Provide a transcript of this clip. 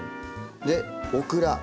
でオクラ。